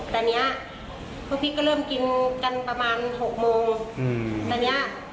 ตอนนี้พวกพี่ก็เริ่มกินกันประมาณ๖โมงตอนเนี้ย